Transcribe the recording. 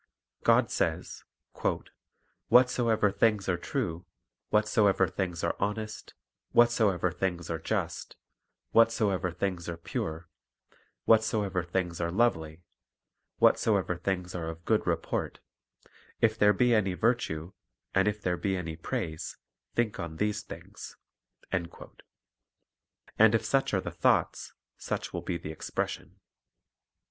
God says: "Whatsoever things are true, whatsoever things are honest, whatsoever things are just, whatsoever things are pure, whatsoever things are lovely, whatsoever things are of good report; if there be any virtue, and if there be any praise, think on these things." 1 And if such are the thoughts, such will be the expression.